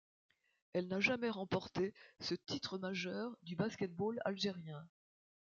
Elle n'a jamais remporté ce titre majeur du basket-ball algérien.